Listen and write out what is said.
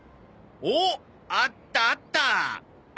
おっあったあった！